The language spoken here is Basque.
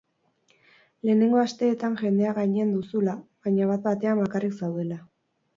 Lehenengo asteetan jendea gainean duzula, baina bat-batean bakarrik zaudela.